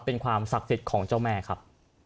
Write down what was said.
เป็นความถักจริงของเจ้าแม่ครับ